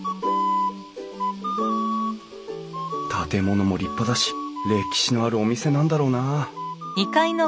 建物も立派だし歴史のあるお店なんだろうなあ。